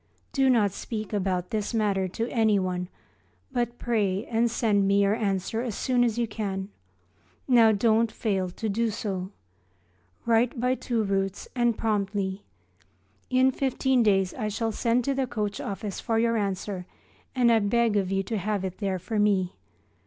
Do not speak about this matter to anyone, but pray and send me your answer as soon as you can. Now don't fail to do so. Write by two routes and promptly. In fifteen days I shall send to the coach office for your answer, and I beg of you to have it there for me.